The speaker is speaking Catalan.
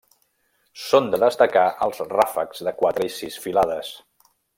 Són de destacar els ràfecs de quatre i sis filades.